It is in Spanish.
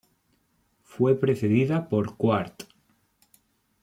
Fue precedida por "Quart.